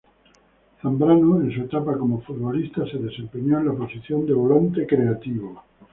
Zambrano en su etapa como futbolista se desempeñó en la posición de volante creativo.